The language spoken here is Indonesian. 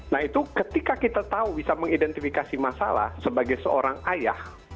nah itu ketika kita tahu bisa mengidentifikasi masalah sebagai seorang ayah